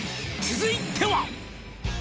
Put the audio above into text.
「続いては」